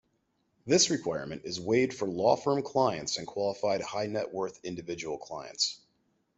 This requirement is waived for law firm clients and qualified high-net-worth individual clients.